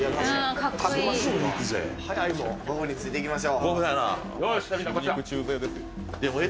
ボブについていきましょう。